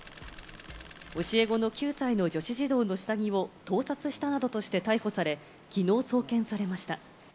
教え子の９歳の女子児童の下着を盗撮したなどとして逮捕され、きのう送検されました。